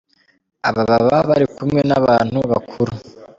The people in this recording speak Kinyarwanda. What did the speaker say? Aba baba bari kumwe n’ abantu bakuru.